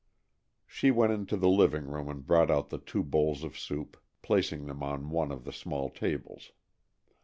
She went into the living room and brought out the two bowls of soup, placing them on one of the small tables.